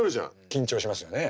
緊張しますよね。